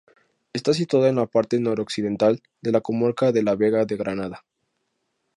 Está situada en la parte noroccidental de la comarca de la Vega de Granada.